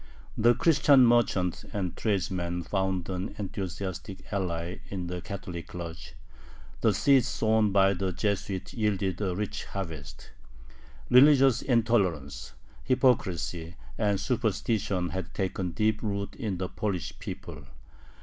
The Christian merchants and tradesmen found an enthusiastic ally in the Catholic clergy. The seed sown by the Jesuits yielded a rich harvest. Religious intolerance, hypocrisy, and superstition had taken deep root in the Polish people.